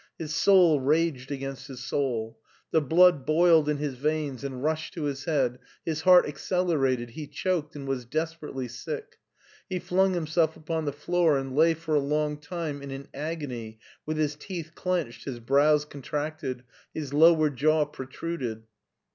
His soul raged against his soul. The blood boiled in his veins and rushed to his head, his heart accelerated, he choked and was desperately sick. He flung him self upon the floor and lay for a long time in an agony with his teeth clenched, his brows contracted, his lower jaw protruded.